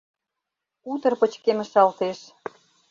Утыр пычкемышалтеш.